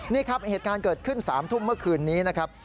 นี่ครับเหตุการณ์เกิดขึ้น๓ทุ่มเมื่อคืนนี้นะครับ